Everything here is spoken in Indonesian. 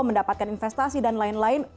mendapatkan investasi dan lain lain